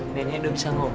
nenek udah bisa ngomong